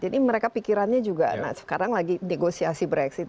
jadi mereka pikirannya juga sekarang lagi negosiasi brexit